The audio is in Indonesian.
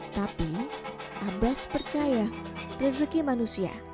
tapi abas percaya rezeki manusia